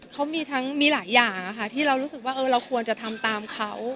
เขามีทั้งมีหลายอย่างที่เรารู้สึกว่าเราควรจะทำตามเขา